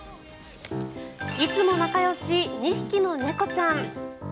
いつも仲よし２匹の猫ちゃん。